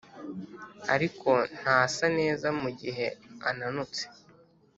ariko ntasa neza mugihe ananutse